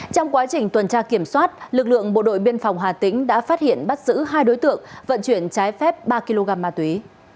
trong quá trình tuần tra kiểm soát lực lượng bộ đội biên phòng hà tĩnh đã phát hiện bắt giữ hai đối tượng vận chuyển trái phép ba kg ma túy